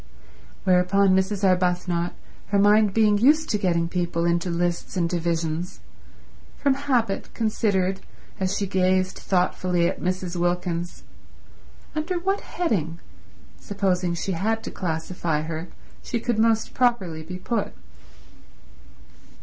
Whereupon Mrs. Arbuthnot, her mind being used to getting people into lists and divisions, from habit considered, as she gazed thoughtfully at Mrs. Wilkins, under what heading, supposing she had to classify her, she could most properly be put.